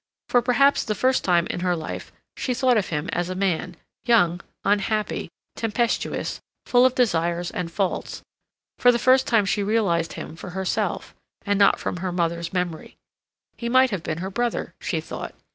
For perhaps the first time in her life she thought of him as a man, young, unhappy, tempestuous, full of desires and faults; for the first time she realized him for herself, and not from her mother's memory. He might have been her brother, she thought.